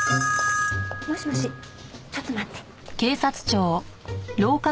もしもしちょっと待って。